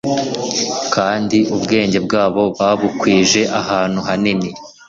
kandi ubwenge bwabo babukwije ahantu hanini,